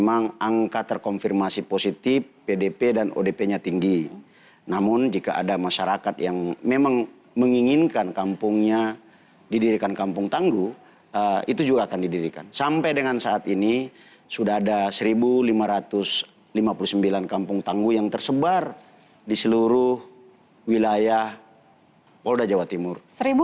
kampung tangguh itu memang angka terkonfirmasi positif pdp dan odp nya tinggi namun jika ada masyarakat yang memang menginginkan kampungnya didirikan kampung tangguh itu juga akan didirikan sampai dengan saat ini sudah ada seribu lima ratus lima puluh sembilan kampung tangguh yang tersebar di seluruh wilayah wolda jawa timur